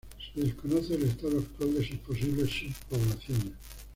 Se desconoce el estado actual de sus posibles subpoblaciones.